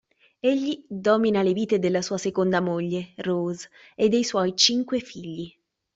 Egli domina le vite della sua seconda moglie, Rose, e dei suoi cinque figli.